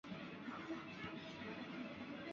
只有可兼选言的情况才属肯定选言谬误。